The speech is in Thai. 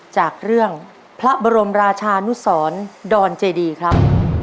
จากเรื่องพระบรมราชานุสรดอนเจดีครับ